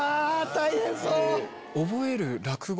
大変そう！